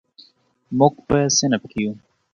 موږ په صنف کې یو.